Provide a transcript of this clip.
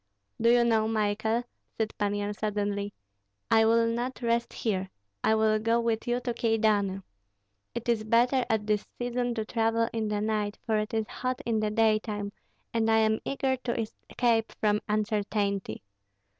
"Do you know, Michael," said Pan Yan, suddenly, "I will not rest here; I will go with you to Kyedani. It is better at this season to travel in the night, for it is hot in the daytime, and I am eager to escape from uncertainty.